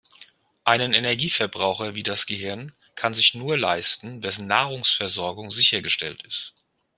Einen Energieverbraucher wie das Gehirn kann sich nur leisten, wessen Nahrungsversorgung sichergestellt ist.